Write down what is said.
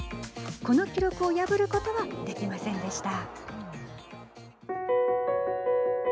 この記録を破ることはできませんでした。